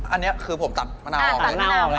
อันนี้คือผมตัดมะนาวออกไหม